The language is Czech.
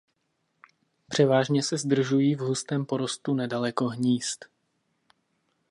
Převážně se zdržují v hustém porostu nedaleko hnízd.